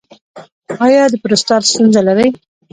ایا د پروستات ستونزه لرئ؟